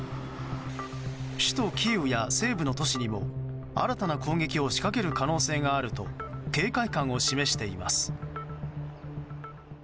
首都キーウや西部の都市にも新たな攻撃を仕掛ける可能性があると警戒感を示しています。